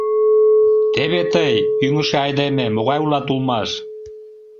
— Теве тый, ӱҥышӧ айдеме, могай улат улмаш!